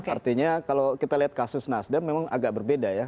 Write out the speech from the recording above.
artinya kalau kita lihat kasus nasdem memang agak berbeda ya